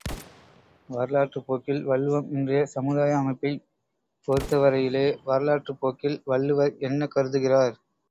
வரலாற்றுப் போக்கில் வள்ளுவம் இன்றையச் சமுதாய அமைப்பைப் பொறுத்த வரையிலே வரலாற்றுப் போக்கில் வள்ளுவர் என்ன கருதுகிறார்.